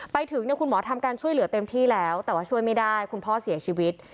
ไปถึงเนี่ยคุณหมอทำการช่วยเหลือเต็มที่แล้วแต่ว่าช่วยไม่ได้คุณพ่อเสียชีวิต